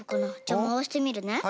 じゃあまわしてみるね。